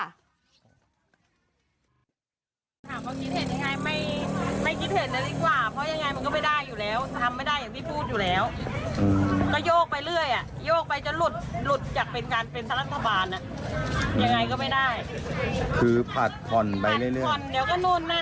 โหเจ๊จิ๋มแล้วขึ้นภาพคู่นายกนายกเขาได้ยินแล้วแน่